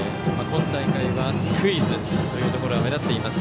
今大会はスクイズというところが目立っています。